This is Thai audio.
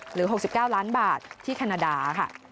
หรือ๖๙ล้านบาทที่ขนาดา